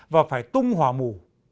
và phải tung hòa mù